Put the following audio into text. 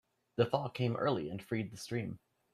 The thaw came early and freed the stream.